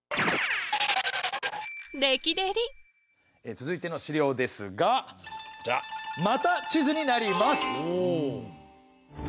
続いての資料ですがこちらまた地図になります。